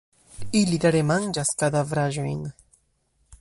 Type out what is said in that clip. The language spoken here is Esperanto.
Ili rare manĝas kadavraĵojn.